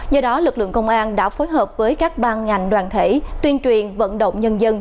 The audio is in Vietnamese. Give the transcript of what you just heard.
do đó lực lượng công an đã phối hợp với các ban ngành đoàn thể tuyên truyền vận động nhân dân